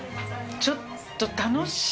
ちょっと楽しい。